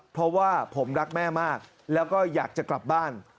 เพราะว่าผมรักแม่มากแล้วก็อยากจะกลับบ้าน